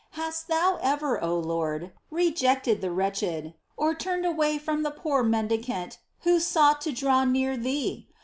^ Hast thou ever, O Lord, rejected the wretched, or turned away from the poor mendicant who sought to draw near Thee